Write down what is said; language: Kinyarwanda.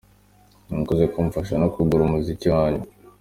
Mwakoze kumfasha no kugura umuziki wanjye.